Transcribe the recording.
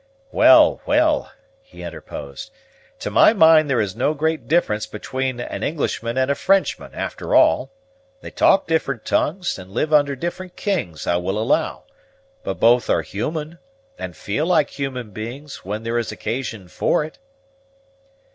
"Well, well," he interposed, "to my mind there is no great difference 'atween an Englishman and a Frenchman, after all. They talk different tongues, and live under different kings, I will allow; but both are human, and feel like human beings, when there is occasion for it."